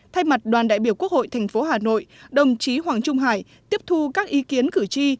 thay mặt đoàn đại biểu quốc hội tp hà nội đồng chí hoàng trung hải tiếp thu các ý kiến cử tri